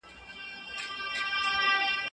وﺯګاره خلک دي لمنې توروينه